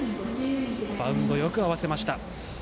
バウンドよく合わせました。